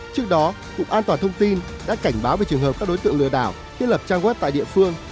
trước đó cục an toàn thông tin đã cảnh báo về trường hợp các đối tượng lừa đảo thiết lập trang web tại địa phương